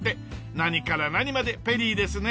何から何までペリーですね。